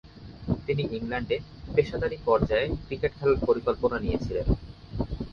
তিনি ইংল্যান্ডে পেশাদারী পর্যায়ে ক্রিকেট খেলার পরিকল্পনা নিয়েছিলেন।